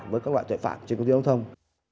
với các loại tội phạm trên công ty đồng thông